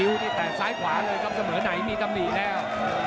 นี่แตกซ้ายขวาเลยครับเสมอไหนมีตำหนิแล้ว